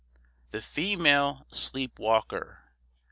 THE FEMALE SLEEP WALKER.